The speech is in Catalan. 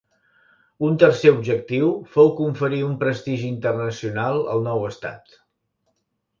Un tercer objectiu fou conferir un prestigi internacional al nou estat.